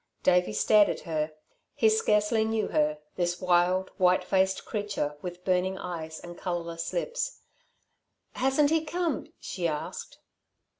Davey stared at her. He scarcely knew her this wild, white faced creature with burning eyes and colourless lips. "Hasn't he come?" she asked.